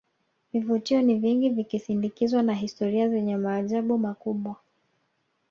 vivutio ni vingi vikisindikizwa na historia zenye maajabu makubwa